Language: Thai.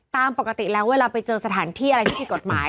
ตามปกติแล้วเวลาไปเจอสถานที่อะไรที่ผิดกฎหมาย